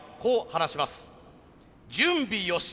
「準備よし！